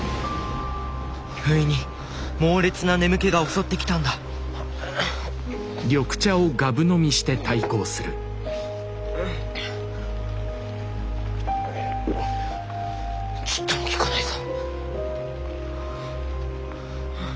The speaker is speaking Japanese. ふいに猛烈な眠気が襲ってきたんだちっともきかないぞ！